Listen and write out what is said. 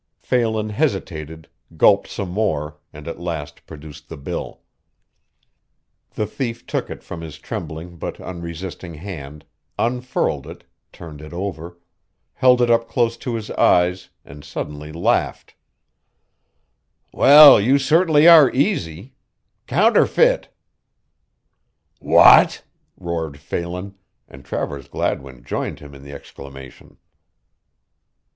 Phelan hesitated, gulped some more, and at last produced the bill. The thief took it from his trembling but unresisting hand, unfurled it, turned it over, held it up close to his eyes and suddenly laughed: "Well, you certainly are easy counterfeit!" "What!" roared Phelan, and Travers Gladwin joined him in the exclamation.